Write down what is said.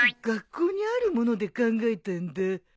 学校にあるもので考えたんだ。